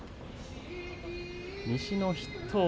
西の筆頭。